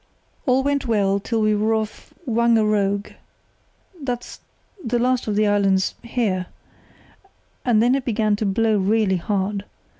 "All went well till we were off Wangeroog, the last of the islands—here—and then it began to blow really hard.